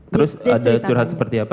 terus ada curhat seperti apa